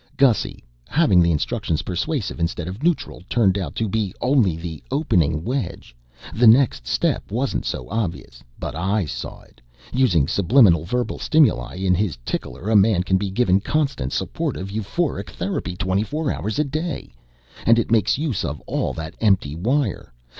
"Gussy, having the instructions persuasive instead of neutral turned out to be only the opening wedge. The next step wasn't so obvious, but I saw it. Using subliminal verbal stimuli in his tickler, a man can be given constant supportive euphoric therapy 24 hours a day! And it makes use of all that empty wire.